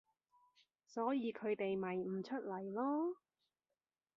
所以佢哋咪唔出嚟囉